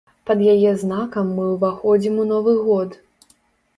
Пад яе знакам мы ўваходзім у новы год.